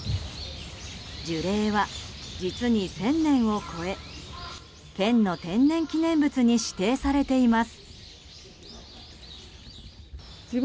樹齢は実に１０００年を超え県の天然記念物に指定されています。